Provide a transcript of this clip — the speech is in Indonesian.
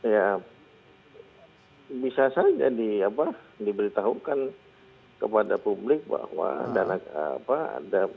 ya bisa saja diberitahukan kepada publik bahwa dana apa ada